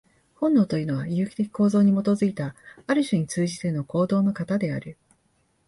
本能というのは、有機的構造に基いた、ある種に通じての行動の型である。